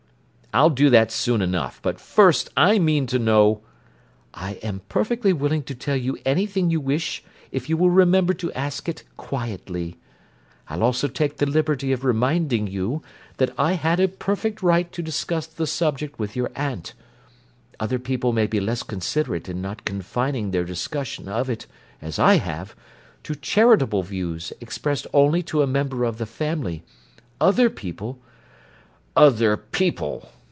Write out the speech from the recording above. "I'll do that soon enough, but first I mean to know—" "I am perfectly willing to tell you anything you wish if you will remember to ask it quietly. I'll also take the liberty of reminding you that I had a perfect right to discuss the subject with your aunt. Other people may be less considerate in not confining their discussion of it, as I have, to charitable views expressed only to a member of the family. Other people—" "Other people!"